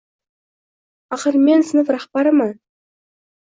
Axir men sinf rahbariman.